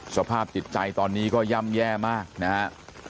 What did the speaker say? สภาพจิตใจตอนนี้ก็ย่ำแย่มากนะครับ